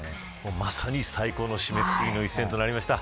まさに最高の締めくくりの一戦となりました。